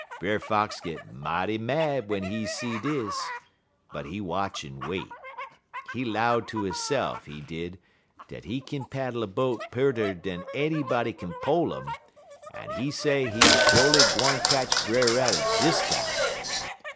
"Brer Fox git mighty mad w'en he see dis, but he watch en wait. He 'low ter hisse'f, he did, dat he kin paddle a boat pearter dan anybody kin pole um, en he say he sho'ly gwine ketch Brer Rabbit dis time.